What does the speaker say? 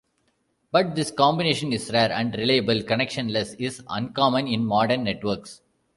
But this combination is rare, and reliable-connectionless is uncommon in modern networks.